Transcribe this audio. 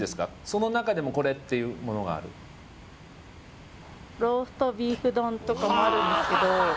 その中でもこれっていうものがある？とかもあるんですけど